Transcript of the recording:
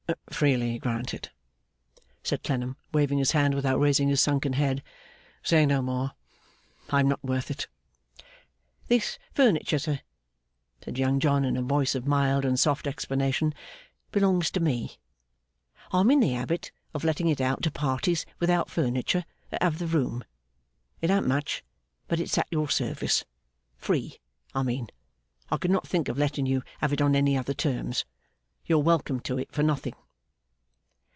'Freely granted,' said Clennam, waving his hand without raising his sunken head. 'Say no more. I am not worth it.' 'This furniture, sir,' said Young John in a voice of mild and soft explanation, 'belongs to me. I am in the habit of letting it out to parties without furniture, that have the room. It an't much, but it's at your service. Free, I mean. I could not think of letting you have it on any other terms. You're welcome to it for nothing.